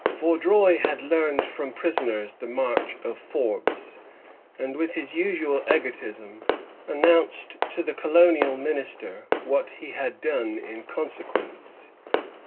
Vaudreuil had learned from prisoners the march of Forbes, and, with his usual egotism, announced to the Colonial Minister what he had done in consequence.